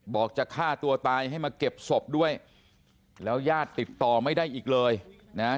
จะฆ่าตัวตายให้มาเก็บศพด้วยแล้วญาติติดต่อไม่ได้อีกเลยนะฮะ